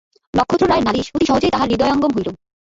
নক্ষত্ররায়ের নালিশ অতি সহজেই তাঁহার হৃদয়ঙ্গম হইল।